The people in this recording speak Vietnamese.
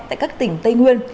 tại các tỉnh tây nguyên